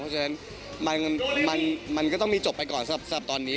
เพราะฉะนั้นมันก็ต้องมีจบไปก่อนสำหรับตอนนี้